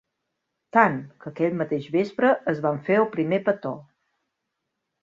Tant, que aquell mateix vespre es van fer el primer petó.